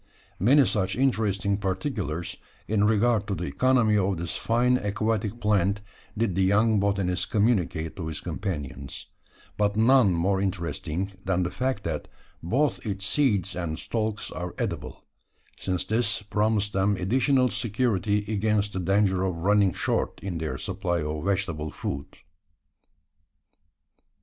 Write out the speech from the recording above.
Many such interesting particulars, in regard to the economy of this fine aquatic plant, did the young botanist communicate to his companions; but none more interesting than the fact that both its seeds and stalks are edible: since this promised them additional security against the danger of running short in their supply of vegetable food.